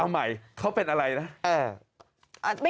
เอาใหม่เขาเป็นอะไรนะ